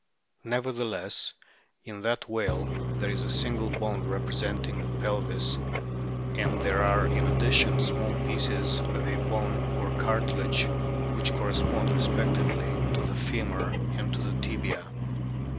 Nevertheless in that whale there is a single bone representing the pelvis, and there are in addition small pieces of a bone or cartilage, which correspond respectively to the femur and to the tibia.